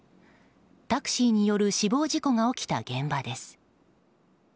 タクシーによる死亡事故が起きた現場です。